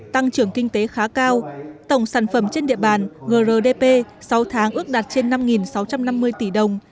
tăng trưởng kinh tế khá cao tổng sản phẩm trên địa bàn grdp sáu tháng ước đạt trên năm sáu trăm năm mươi tỷ đồng